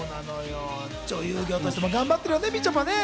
女優業としても頑張ってるよね。